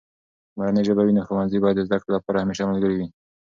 که مورنۍ ژبه وي، نو ښوونځي باید د زده کړې لپاره همیشه ملګری وي.